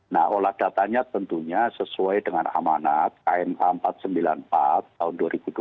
nah olah datanya tentunya sesuai dengan amanat kmh empat ratus sembilan puluh empat tahun dua ribu dua puluh